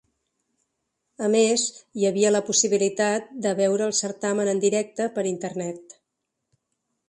A més, hi havia la possibilitat de veure el certamen en directe per internet.